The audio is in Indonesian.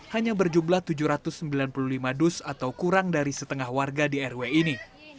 hanya berjumlah tujuh ratus sembilan puluh lima dus atau kurang dari setengah warga di rw ini